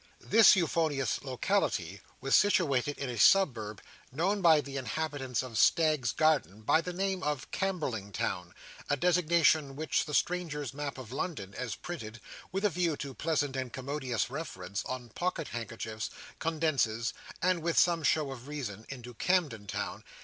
This euphonious locality was situated in a suburb, known by the inhabitants of Staggs's Gardens by the name of Camberling Town; a designation which the Strangers' Map of London, as printed (with a view to pleasant and commodious reference) on pocket handkerchiefs, condenses, with some show of reason, into Camden Town.